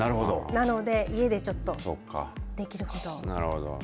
なので家でちょっとできることを。